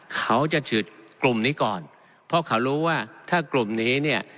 เขาจะฉีดกลุ่มนี้ก่อนเพราะเขารู้ว่าถ้ากลุ่มนี้เนี่ย